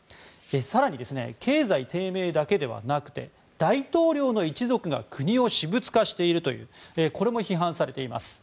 更に、経済低迷だけではなくて大統領の一族が国を私物化しているというこれも批判されています。